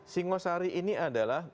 singosari ini adalah